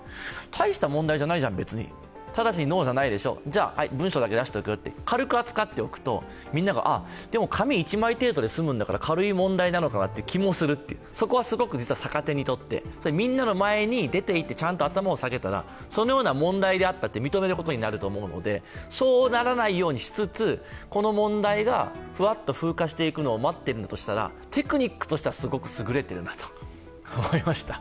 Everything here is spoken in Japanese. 大した問題じゃないじゃん、別に、ただし、ノーじゃないでしょ、じゃあ文書だけ出しておくよと軽く扱っておくとみんなが、でも紙１枚程度で済むんだから軽い問題の気がする、そこはすごく実は逆手にとってみんなの前に出ていってちゃんと頭を下げていったら、そのような問題であると認めてしまうので、そうならないようにしつつ、この問題がふわっと通過していくのを待っているんだとしたらテクニックとしてはすごく優れているなと思いました。